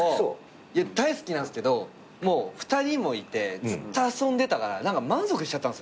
大好きなんすけどもう２人もいてずっと遊んでたから何か満足しちゃったんすよねちょっと。